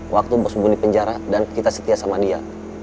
waktu bersembunyi di penjara dan kita setia sama dia